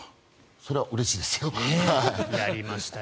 それはうれしいですよ。